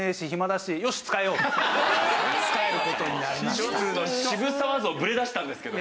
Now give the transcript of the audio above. ちょっと渋沢像ぶれだしたんですけど。